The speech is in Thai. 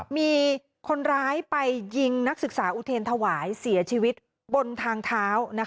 มีคนร้ายไปยิงนักศึกษาอุเทรนธวายเสียชีวิตบนทางเท้า